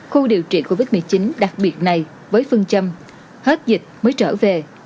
khu điều trị covid một mươi chín đặc biệt này với phương châm hết dịch mới trở về